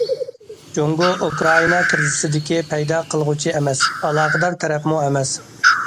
جۇڭگو ئۇكرائىنا كىرىزىسىدىكى پەيدا قىلغۇچى ئەمەس، ئالاقىدار تەرەپمۇ ئەمەس.